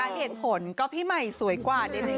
ที่เห็นเพราะว่าพี่ใหม่สวยกว่าเดมมี่